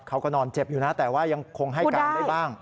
เขาก็นอนเจ็บอยู่นะแต่ว่ายังคงให้การได้บ้าง